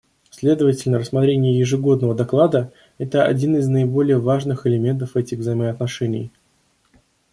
Следовательно, рассмотрение ежегодного доклада — это один из наиболее важных элементов этих взаимоотношений.